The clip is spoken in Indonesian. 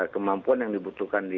kemampuan yang dibutuhkan